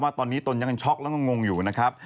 ตอนนี้ตนยังช็อกแล้วก็งงอยู่นะครับ